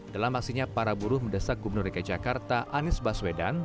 dalam aksinya para buruh mendesak gubernur dki jakarta anies baswedan